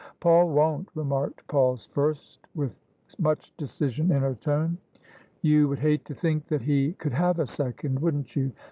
" Paul won't," remarked Paul's first, with much decision in her tone. " You would hate to think that he could have a second, wouldn't you?"